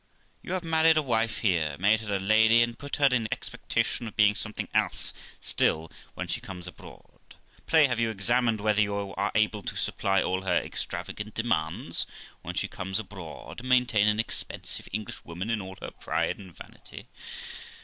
You have married a wife here, made her a lady, and put her in expectation of being something else still when she comes abroad. Pray have you examined whether you are able to supply all her extravagant demands when she comes abroad, and maintain an expensive English woman in all her pride and vanity?